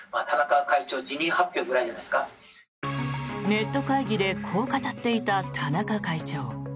ネット会議でこう語っていた田中会長。